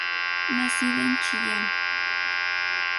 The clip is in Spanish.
Nacida en Chillán.